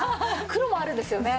黒もあるんですよね。